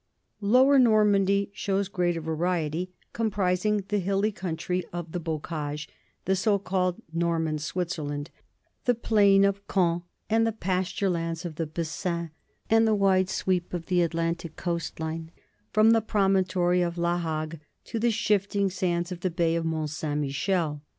Lower Normandy shows greater variety, comprising the hilly country of the Bocage, the so called Nor man Switzerland, the plain of Caen and the pasture lands of the Bessin, and the wide sweep of the Atlantic coast line, from the promontory of La Hague to the shifting sands of the bay of Mont Saint Michel.